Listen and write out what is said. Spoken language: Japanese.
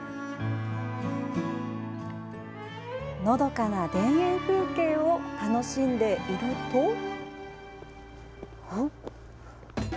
のどかな田園風景を楽しんでいると。